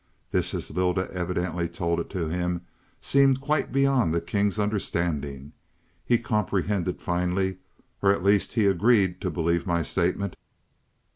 "This, as Lylda evidently told it to him, seemed quite beyond the king's understanding. He comprehended finally, or at least he agreed to believe my statement.